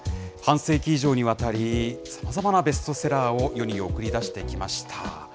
半世紀以上にわたり、さまざまなベストセラーを世に送り出してきました。